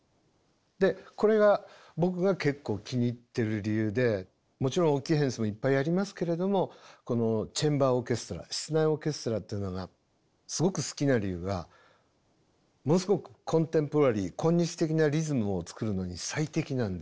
でこれが僕が結構気に入ってる理由でもちろん大きい編成もいっぱいやりますけれどもこのチェンバーオーケストラ室内オーケストラっていうのがすごく好きな理由がものすごくコンテンポラリー今日的なリズムを作るのに最適なんですね。